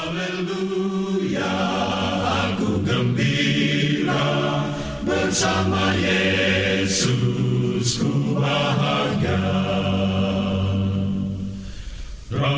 haleluya aku gembira bersama yesus ku bahagia